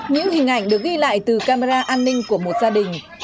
những hình ảnh được ghi lại từ camera an ninh của một gia đình